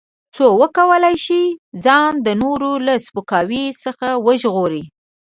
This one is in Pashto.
څو وکولای شي ځان د نورو له سپکاوي څخه وژغوري.